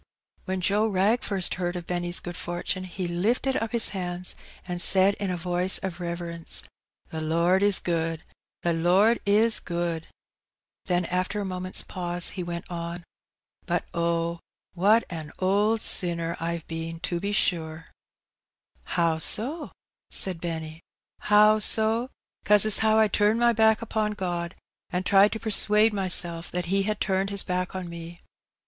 When Joe Wrag first heard of Benny's good fortune he lifted up his hands^ and said in a voice of reverence —" The Lord is good ! the Lord is good !" Then after a moment's pause he went on^ " But oh ! what an old sinner I've a been^ to be sure !" How so?" said Benny. How so? 'cause as how I turned my back upon God^ an' tried to persuade mysel' that He had turned His back on me.